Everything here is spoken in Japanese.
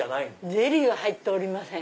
ゼリーは入っておりません。